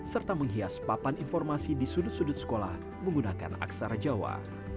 serta menghias papan informasi di sudut sudut sekolah menggunakan aksara jawa